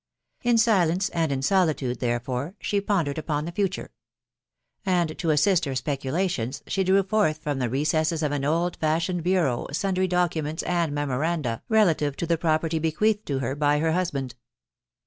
In silence and in solitude, therefore, she pondered upon the future ; and, to assist her speculations, she drew forth from the recesses of an old fashioned bureau sundry documents and memoranda relative to the property bequeathed to her by her husband.